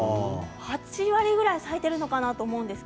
８割ぐらい咲いているのかなと思います。